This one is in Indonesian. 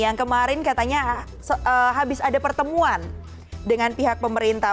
yang kemarin katanya habis ada pertemuan dengan pihak pemerintah